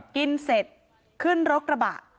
กินเสร็จขึ้นรถกระบะ